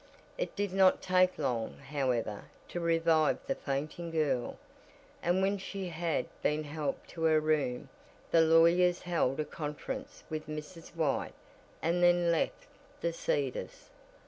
It did not take long, however, to revive the fainting girl, and when she had been helped to her room the lawyers held a conference with Mrs. White and then left the Cedars.